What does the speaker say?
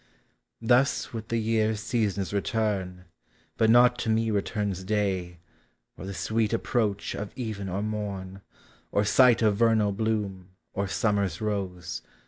Tims with the year Seasons return, but not to me returns Day, or the sweet approach of even or morn, Or sight of vernal bloom, or summer's rose.